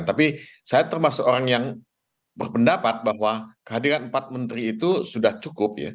tapi saya termasuk orang yang berpendapat bahwa kehadiran empat menteri itu sudah cukup ya